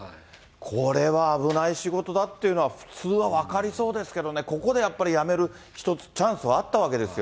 これは危ない仕事だっていうのは、普通は分かりそうですけどね、ここでやっぱり、やめる、一つ、チャンスはあったわけですよ。